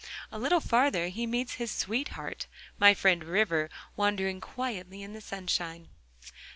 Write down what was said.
A little farther he meets his sweetheart, my friend River, wandering quietly in the sunshine.